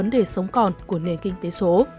để sống còn của nền kinh tế số